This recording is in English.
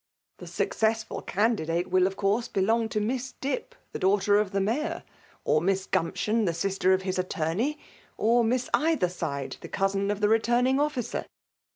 The successful candidate will, of course belong io Miss Dip, the daughter of the Mayor» or Miss Gumption, the sister of his attorney, or Miss Eithcrside, the cousin of the returning officer.